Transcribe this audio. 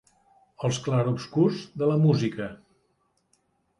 Els clarobscurs de la música.